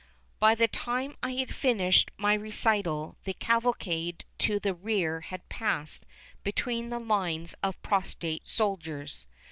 By the time I had finished my recital the cavalcade to the rear had passed between the lines of prostrate soldiers.